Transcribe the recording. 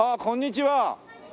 こんにちは。